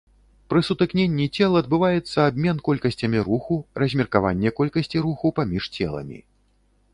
Пры сутыкненні цел адбываецца абмен колькасцямі руху, размеркаванне колькасці руху паміж целамі.